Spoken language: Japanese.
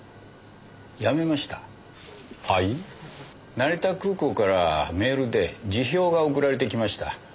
成田空港からメールで辞表が送られてきました。